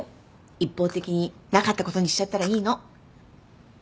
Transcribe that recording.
一方的になかったことにしちゃったらいいの。